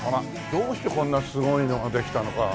どうしてこんなすごいのができたのか。